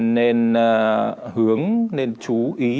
nên hướng nên chú ý